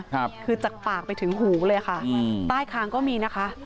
คือจากปากไปถึงหูเลยค่ะอืมใต้คางก็มีนะคะ